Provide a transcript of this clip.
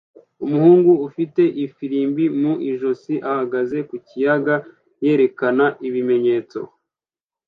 Umuhungu ufite ifirimbi mu ijosi ahagaze ku kiyaga yerekana ibimenyetso